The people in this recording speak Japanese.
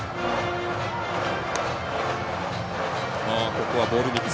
ここはボール３つ。